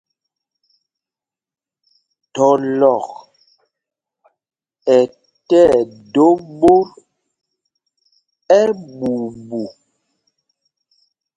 Thɔlɔk ɛ tí ɛdō ɓot ɛɓuuɓu.